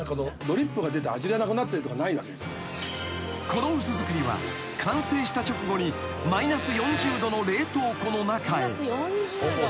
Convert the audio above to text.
［この薄造りは完成した直後にマイナス４０℃の冷凍庫の中へ］